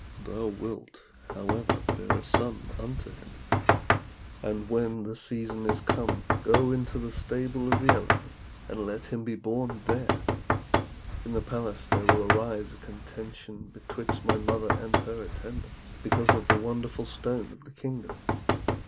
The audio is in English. Thou wilt, however, bear a son unto him. And when the season is come, go into the stable of the elephant, and let him be born there. In the palace there will arise a contention betwixt my mother and her attendants, because of the wonderful stone of the kingdom.